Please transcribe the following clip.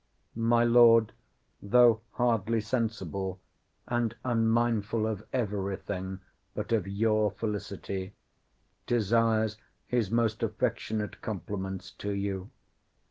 My Lord, though hardly sensible, and unmindful of every thing but of your felicity, desires his most affectionate compliments to you.